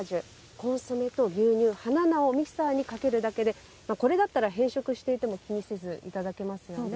コンソメと牛乳、花菜をミキサーにかけるだけでこれだったら、変色していても気にせずいただけますよね。